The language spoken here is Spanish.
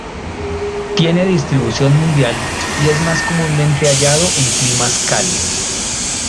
Tiene distribución mundial, y es más comúnmente hallado en climas cálidos.